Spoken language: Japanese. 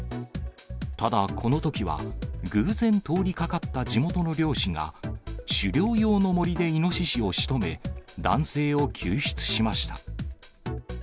ただこのときは、偶然通りかかった地元の猟師が、狩猟用のもりでイノシシをしとめ、男性を救出しました。